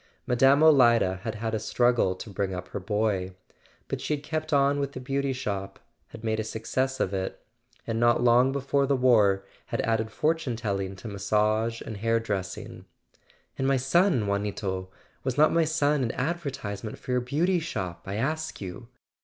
Mine. Olida had had a struggle to bring up her boy; but she had kept on with the Beauty Shop, had made a success of it, [ 387 ] A SON AT THE FRONT and not long before the war had added fortune telling to massage and hair dressing. "And my son, Juanito; was not my son an adver¬ tisement for a Beauty Shop, I ask you